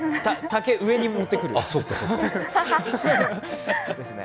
竹、上に持ってくる。